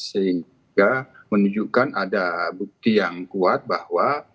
sehingga menunjukkan ada bukti yang kuat bahwa